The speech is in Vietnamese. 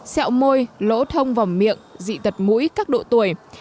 xẹo môi lỗ thông vòng miệng dị tật mũi các độ tuổi